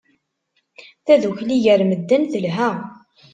Tadukli gar medden telha.